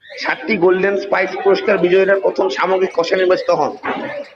সাতটি golden spikes পুরস্কার বিজয়ীরা প্রথম সামগ্রিক খসড়া নির্বাচিত হন।